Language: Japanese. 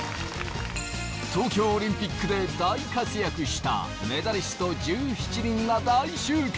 東京オリンピックで大活躍したメダリスト１７人が大集結！